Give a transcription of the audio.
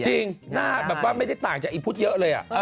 จริงหน้าแบบว่าไม่ได้ต่างจากอีพุทธเยอะเลย